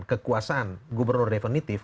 kekuasaan gubernur definitif